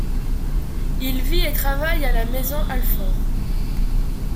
Il vit et travaille à Maisons-Alfort.